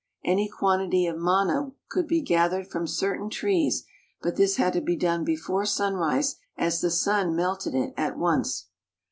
Any quantity of manna could be gathered from certain trees, but this had to be done before sunrise, as the sun melted it at once.